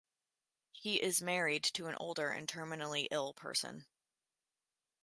He is married to an older and terminally ill person.